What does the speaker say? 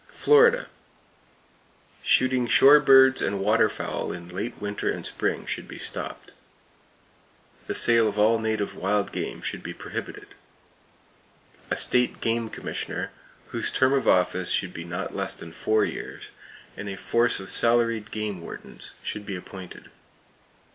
Florida: Shooting shore birds and waterfowl in late winter and spring should be stopped. The sale of all native wild game should be prohibited. A State Game Commissioner whose term of office should be not less than four years, and a force of salaried game wardens, should be appointed.